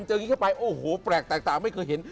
จะงี้ข้างไปโอ้โหแปลกต่างไม่เคยเห็น